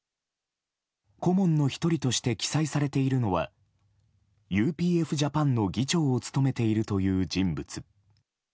顧問の１人として記載されているのはＵＰＦ‐Ｊａｐａｎの議長を務めているという人物。